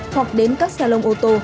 hoặc đến các salon ô tô